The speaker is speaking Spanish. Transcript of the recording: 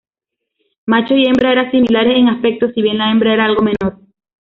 Macho y hembra eran similares en aspecto, si bien la hembra era algo menor.